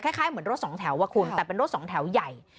คล้ายเหมือนรถสองแถวอ่ะคุณแต่เป็นรถสองแถวใหญ่